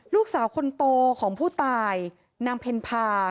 ลูกสาวคนโตของผู้ตายนางเพ็ญพา